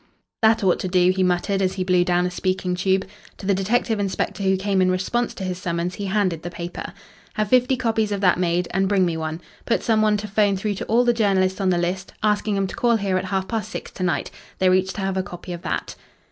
"That ought to do," he muttered as he blew down a speaking tube. To the detective inspector who came in response to his summons he handed the paper. "Have fifty copies of that made, and bring me one. Put some one to 'phone through to all the journalists on the list, asking 'em to call here at half past six to night. They're each to have a copy of that."